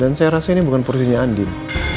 dan saya rasa ini bukan porsinya andin